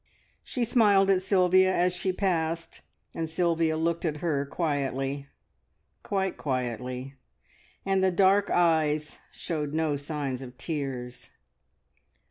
She smiled at Sylvia as she passed, and Sylvia looked at her quietly, quite quietly, and the dark eyes showed no signs of tears.